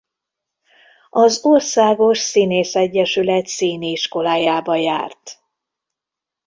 Az Országos Színészegyesület színiiskolájába járt.